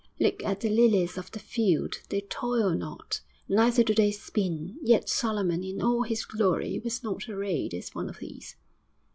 '"Look at the lilies of the field. They toil not, neither do they spin; yet Solomon in all his glory was not arrayed as one of these."'....